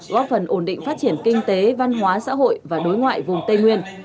góp phần ổn định phát triển kinh tế văn hóa xã hội và đối ngoại vùng tây nguyên